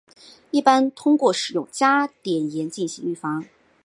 一般通过使用加碘盐进行预防。